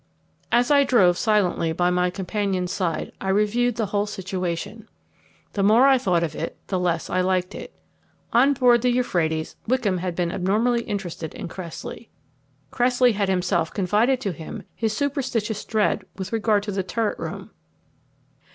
As I drove silently by my companion's side I reviewed the whole situation. The more I thought of it the less I liked it. On board the Euphrates Wickham had been abnormally interested in Cressley. Cressley had himself confided to him his superstitious dread with regard to the turret room.